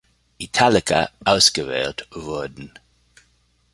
Italica ausgewählt wurden.